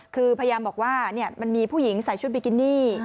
คือพยายามบอกว่ามันมีผู้หญิงใส่ชุดบิกินี่